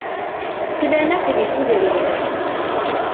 Slan akk di tudrin.